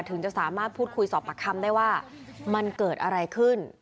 ถึงจะสามารถพูดคุยสอบปากคำได้ว่ามันเกิดอะไรขึ้น